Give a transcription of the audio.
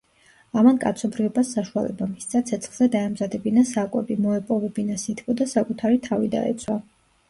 ამან კაცობრიობას საშუალება მისცა, ცეცხლზე დაემზადებინა საკვები, მოეპოვებინა სითბო და საკუთარი თავი დაეცვა.